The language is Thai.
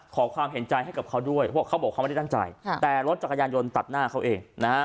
ขอความเห็นใจให้กับเขาด้วยเพราะเขาบอกเขาไม่ได้ตั้งใจแต่รถจักรยานยนต์ตัดหน้าเขาเองนะฮะ